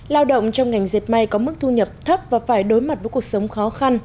lao động trong ngành dệt may có mức thu nhập thấp và phải đối mặt với cuộc sống khó khăn